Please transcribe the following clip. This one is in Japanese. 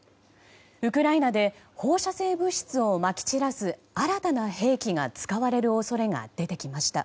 ウクライナで放射性物質をまき散らす新たな兵器が使われる恐れが出てきました。